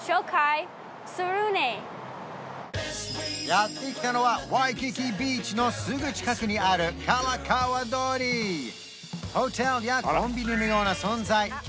やって来たのはワイキキビーチのすぐ近くにあるホテルやコンビニのような存在